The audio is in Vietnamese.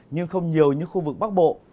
nhưng không nhiều như khu vực bắc bộ